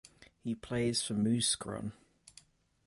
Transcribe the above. He plays for Mouscron.